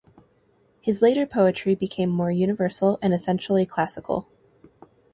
His later poetry became more universal and essentially classical.